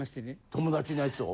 友達のやつを？